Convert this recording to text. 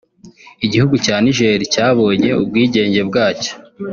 Igihugu cya Niger cyabonye ubwigenge bwacyo